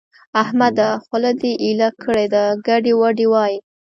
احمده! خوله دې ايله کړې ده؛ ګډې وډې وايې.